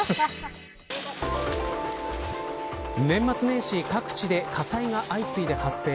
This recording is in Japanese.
年末年始各地で火災が相次いで発生。